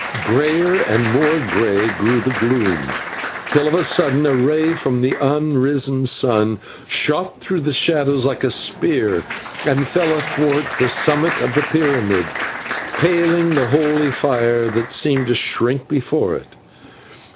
Greyer and more grey grew the gloom, till of a sudden a ray from the unrisen sun shot through the shadows like a spear and fell athwart the summit of the pyramid, paling the holy fire, that seemed to shrink before it.